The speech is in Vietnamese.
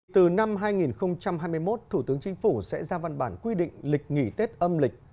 từ năm hai nghìn hai mươi một thủ tướng chính phủ sẽ ra văn bản quy định lịch nghỉ tết âm lịch